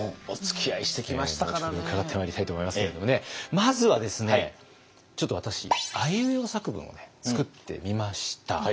後ほど伺ってまいりたいと思いますけれどもねまずはですねちょっと私あいうえお作文を作ってみました。